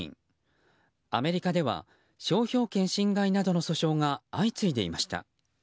アメリカでは商標権侵害などの訴訟が相次いでいました。